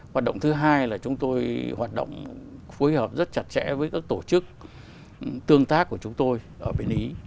hoạt động thứ hai là chúng tôi hoạt động phối hợp rất chặt chẽ với các tổ chức tương tác của chúng tôi ở bên ý